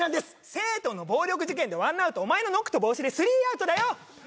生徒の暴力事件でワンアウトお前のノックと帽子でスリーアウトだよ！